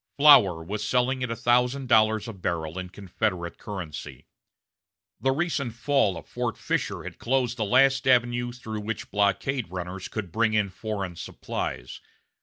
Flour was selling at a thousand dollars a barrel in Confederate currency. The recent fall of Fort Fisher had closed the last avenue through which blockade runners could bring in foreign supplies.